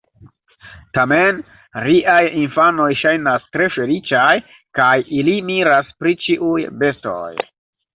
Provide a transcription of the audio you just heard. Tamen riaj infanoj ŝajnas tre feliĉaj, kaj ili miras pri ĉiuj bestoj.